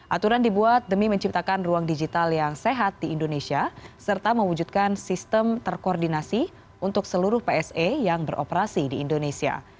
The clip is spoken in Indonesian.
aturan dibuat demi menciptakan ruang digital yang sehat di indonesia serta mewujudkan sistem terkoordinasi untuk seluruh pse yang beroperasi di indonesia